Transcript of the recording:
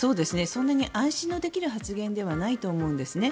そんなに安心できる発言ではないと思うんですね。